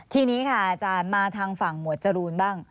ทีนี้ค่ะอาจารย์มาทางฝั่งหมวดจรูนบ้าง